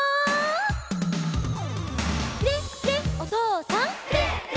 「フレッフレッおとうさん！」